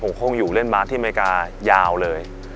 ผมคงอยู่เล่นบาสที่อเมริกายาวเลย